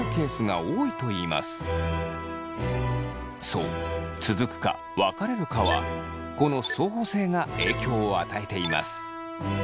そう続くか別れるかはこの相補性が影響を与えています。